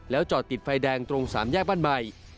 จอดติดไฟแดงตรงสามแยกบ้านใหม่